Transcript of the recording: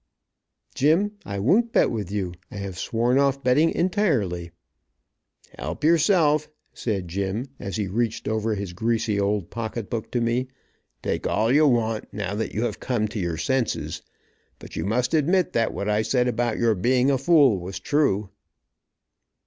"Jim, I won't bet with you. I have sworn off betting intirely." "Help yourself," said Jim, as he reached over his greasy old pocketbook to me. "Take all you want, now that you have come to your senses. But you must admit that what I said about your being a fool, was true."